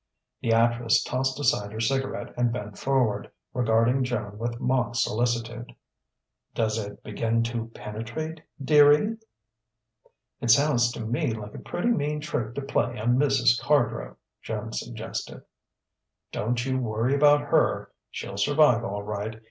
The actress tossed aside her cigarette and bent forward, regarding Joan with mock solicitude. "Does it begin to penetrate, dearie?" "It sounds to me like a pretty mean trick to play on Mrs. Cardrow," Joan suggested. "Don't you worry about her. She'll survive, all right.